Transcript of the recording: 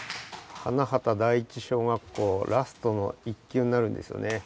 花畑第一小学校ラストの１球になるんですよね。